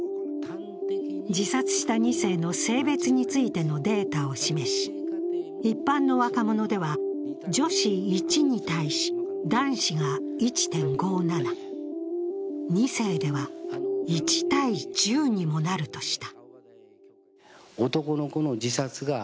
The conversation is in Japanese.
自殺した２世の性別についてのデータを示し、一般の若者では女子１に対し、男子が１．５７、２世では１対１０にもなるとした。